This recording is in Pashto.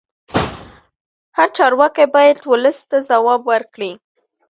هر چارواکی باید ولس ته ځواب ورکړي